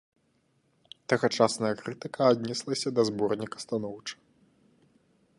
Тагачасная крытыка аднеслася да зборніка станоўча.